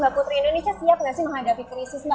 mbak putri indonesia siap nggak sih menghadapi krisis mbak